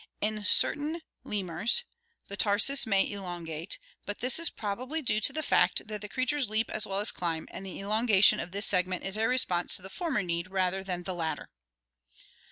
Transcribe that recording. In certain lemurs (Tarsius, see Fig. 236; Galago) the tarsus may be elongate, but this is probably due to the fact that the creatures leap as well as climb, and the elonga tion of this segment is a response to the former need rather than the latter.